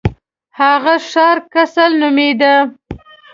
هغه ښار کسل نومیده.